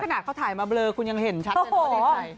ขนาดเขาถ่ายมาเบลอคุณยังเห็นชัดกันว่าได้ใคร